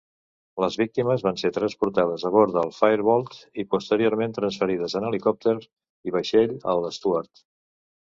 Les víctimes van ser transportades a bord del "Firebolt" i, posteriorment, transferides en helicòpter i vaixell al "Stuart".